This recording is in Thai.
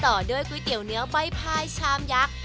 ต่อด้วยก๋วยเตี๋ยวเนื้อใบพายชามยักษ์